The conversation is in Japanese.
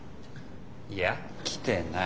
いや来てない。